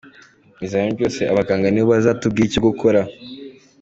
ibizamini byose abaganga nibo bazatubwira icyo gukora.